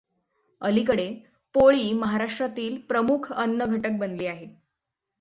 अलिकडे पोळी महाराष्ट्रातील प्रमुख अन्न घटक बनली आहे.